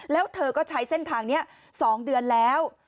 แล้วเธอก็ใช้เส้นทางนี้๒เดือนแล้ว